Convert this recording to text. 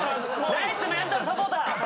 ナイスメンタルサポーター！